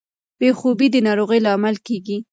بې خوبي د ناروغۍ لامل کیږي.